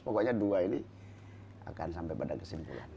pokoknya dua ini akan sampai pada kesimpulan